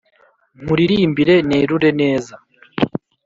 Nkuririmbe nerure neza